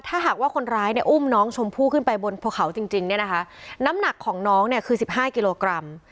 ถ้าหากว่าคนร้ายเนี่ยอุ้มน้องชมพู่ขึ้นไปบนภูเขาจริงเนี่ยนะคะน้ำหนักของน้องเนี่ยคือ๑๕กิโลกรัม